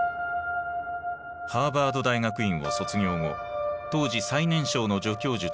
ハーバード大学院を卒業後当時最年少の助教授となった天才。